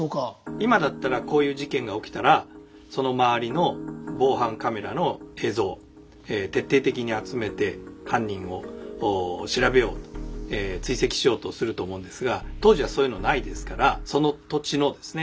今だったらこういう事件が起きたらその周りの防犯カメラの映像を徹底的に集めて犯人を調べようと追跡しようとすると思うんですが当時はそういうのないですからその土地のですね